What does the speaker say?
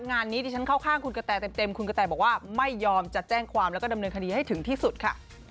งานนี้ที่ฉันเข้าข้างคุณกะแตเต็มคุณกะแตบอกว่าไม่ยอมจะแจ้งความแล้วก็ดำเนินคดีให้ถึงที่สุดค่ะ